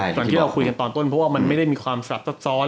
ตอนที่เราคุยกันตอนต้นเพราะว่ามันไม่ได้มีความศัพท์ซ้อน